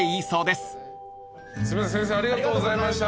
すいません先生ありがとうございました。